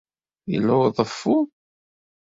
Yella uḍeffu?